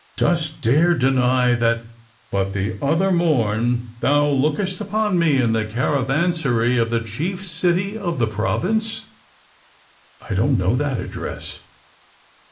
^^Dost dare deny that, but the other morn, thou lookedst upon me in the caravansary of the chief city of the prov ince!" *^I don't know that address.